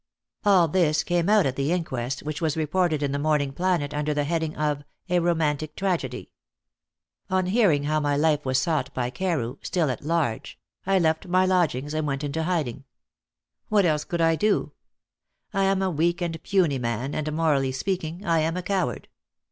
"'All this came out at the inquest, which was reported in the Morning Planet under the heading of "A Romantic Tragedy." On hearing how my life was sought by Carew still at large I left my lodgings and went into hiding. What else could I do? I am a weak and puny man, and, morally speaking, I am a coward.